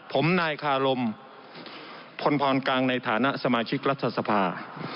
ผมนายคารมพลพรกังในฐานะสมาชิกรัฐสภา